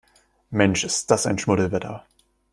Mensch, ist das ein Schmuddelwetter!